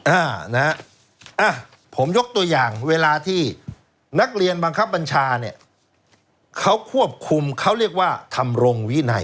อ่านะฮะอ่ะผมยกตัวอย่างเวลาที่นักเรียนบังคับบัญชาเนี่ยเขาควบคุมเขาเรียกว่าทำรงวินัย